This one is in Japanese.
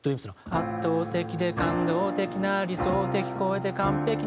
「圧倒的で感動的な」「理想的超えて完璧な」